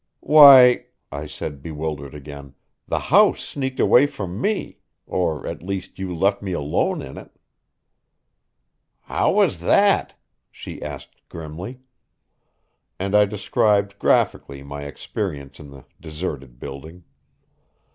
"Why," I said, bewildered again, "the house sneaked away from me or, at least you left me alone in it." "How was that?" she asked grimly. And I described graphically my experience in the deserted building.